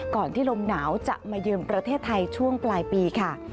ที่ลมหนาวจะมาเยือนประเทศไทยช่วงปลายปีค่ะ